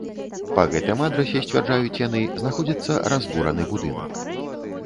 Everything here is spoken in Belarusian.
Па гэтым адрасе, сцвярджаюць яны, знаходзіцца разбураны будынак.